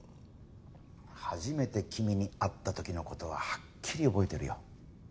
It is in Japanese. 初めて君に会った時の事ははっきり覚えてるよ。